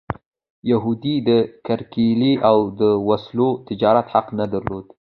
یهودو د کرکیلې او د وسلو تجارت حق نه درلود.